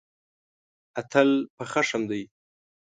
اتل په خښم دی.